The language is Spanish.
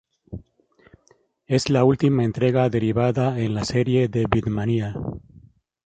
Es la última entrega derivada en la serie de beatmania.